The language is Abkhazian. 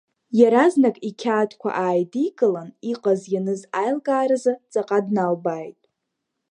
Иаразнак иқьаадқәа ааидикылан иҟаз-ианыз аилкааразы ҵаҟа дналбааит.